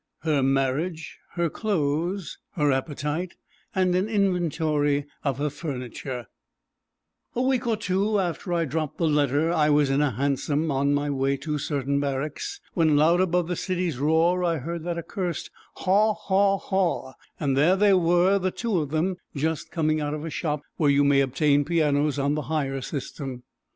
Her Marriage, Her Clothes, Her Appetite, and an Inventory of Her Furniture A week or two after I dropped the letter I was in a hansom on my way to certain barracks when loud above the city's roar I heard that accursed haw haw haw, and there they were, the two of them, just coming out of a shop where you may obtain pianos on the hire system.